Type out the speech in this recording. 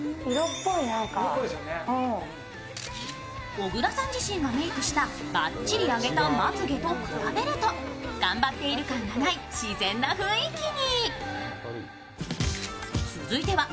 小倉さん自身がメークしたばっちり上げたまつげと比べると頑張っている感がない、自然な雰囲気に。